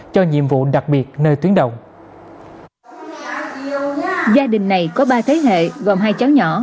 cho nhiệm vụ đặc biệt nơi tuyến đầu gia đình này có ba thế hệ gồm hai cháu nhỏ